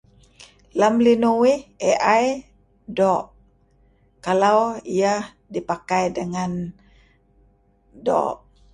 Mo, lem ayu' perlanjaan, lem ayu' usin kamih lun dengeruyung. Perlu teh sineh tu'en narih naru' kenep=kenep bulan.